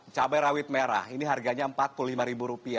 cabai rawit merah ini harganya rp empat puluh lima